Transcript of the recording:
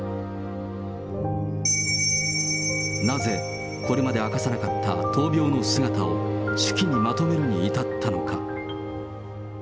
なぜこれまで明かさなかった闘病の姿を、手記にまとめるに至ったのか。